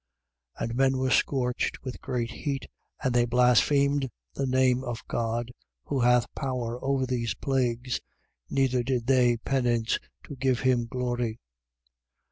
16:9. And men were scorched with great heat: and they blasphemed the name of God, who hath power over these plagues. Neither did they penance to give him glory.